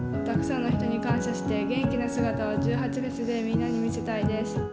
たくさんの人に感謝して元気な姿を１８祭でみんなに見せたいです。